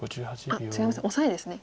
あっ違いますね